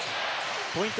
ポイント